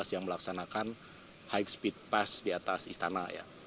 yang melaksanakan high speed pass di atas istana